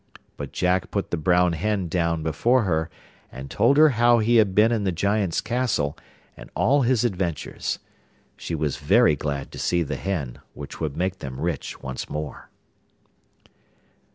But Jack put the brown hen down before her, and told her how he had been in the Giant's castle, and all his adventures. She was very glad to see the hen, which would make them rich once more.